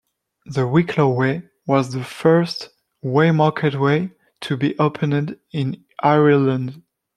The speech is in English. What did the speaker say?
The Wicklow Way was the first waymarked way to be opened in Ireland.